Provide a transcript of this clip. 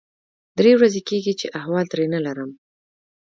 درې ورځې کېږي چې احوال نه ترې لرم.